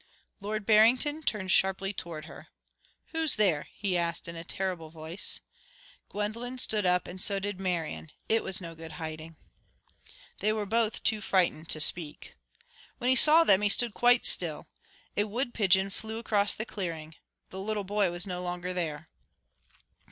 Lord Barrington turned sharply toward her. "Who's there?" he asked in a terrible voice. Gwendolen stood up, and so did Marian. It was no good hiding. They were both too frightened to speak. When he saw them, he stood quite still. A wood pigeon flew across the clearing. The little boy was no longer there.